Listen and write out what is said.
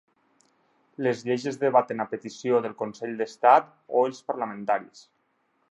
Les lleis es debaten a petició del Consell d'Estat o dels parlamentaris.